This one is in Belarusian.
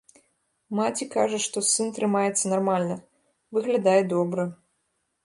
Маці кажа, што сын трымаецца нармальна, выглядае добра.